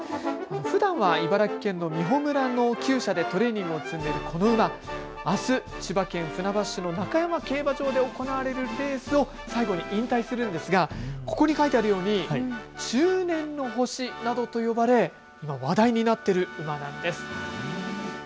ふだんは茨城県の美浦村のきゅう舎でトレーニングを積んでいるこの馬、あす千葉県船橋市の中山競馬場で行われるレースを最後に引退するんですがここに書いてあるように中年の星などと呼ばれ今、話題になっている馬なんです。